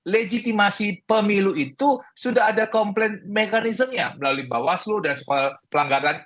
legitimasi pemilu itu sudah ada komplain mekanismenya melalui bawaslu dan pelanggaran